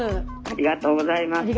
ありがとうございます。